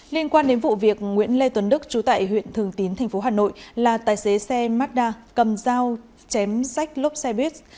liên quan đến vụ việc nguyễn lê tuấn đức trú tại huyện thường tín thành phố hà nội là tài xế xe mazda cầm dao chém sách lốp xe buýt